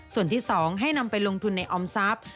ส่วนที่๒ให้นำไปลงทุนในออมทรัพย์